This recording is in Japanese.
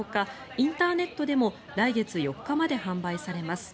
インターネットでも来月４日まで販売されます。